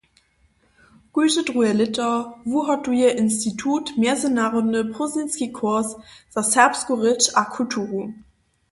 Kóžde druhe lěto wuhotuje institut mjezynarodny prózdninski kurs za serbsku rěč a kulturu.